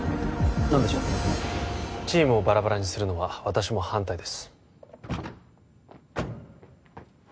何でしょうチームをバラバラにするのは私も反対です